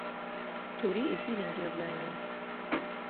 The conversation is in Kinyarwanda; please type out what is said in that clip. Turi ibyiringiro byanyuma.